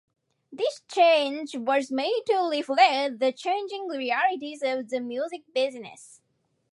This change was made to reflect the changing realities of the music business.